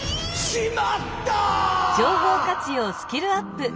「しまった！」。